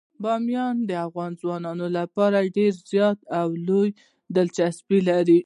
بامیان د افغان ځوانانو لپاره ډیره زیاته او لویه دلچسپي لري.